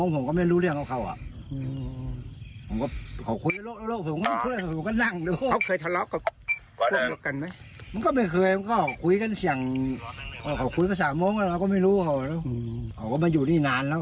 ที่แล้วเขาก็ก็มาอยู่นี่นานแล้วอะ